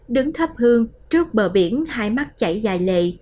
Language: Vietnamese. đứng thấp hơn trước bờ biển hai mắt chảy dài lệ